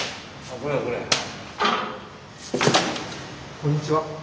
こんにちは。